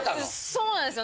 そうなんですよ。